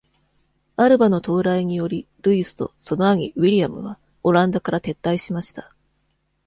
アルヴァの到来により、ルイスとその兄ウィリアムはオランダから撤退しました。